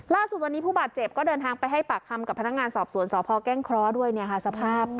ล่าสุดวันนี้ผู้บาดเจ็บก็เดินทางไปให้ปากคำกับพนักงานสอบสวนสพแก้งเคราะห์ด้วยเนี่ยค่ะสภาพ